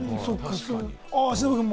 忍君も？